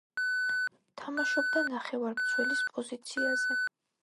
თამაშობდა ნახევარმცველის პოზიციაზე.